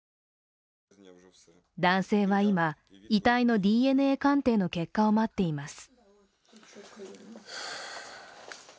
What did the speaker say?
男性は今、遺体のＤＮＡ鑑定の結果を待っています